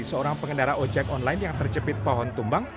seorang pengendara ojek online yang terjepit pohon tumbang